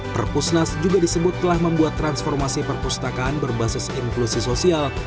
perpusnas juga disebut telah membuat transformasi perpustakaan berbasis inklusi sosial